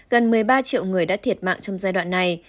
gần một mươi ba triệu người đã thiệt mạng trong giai đoạn này